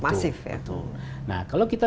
masif ya betul nah kalau kita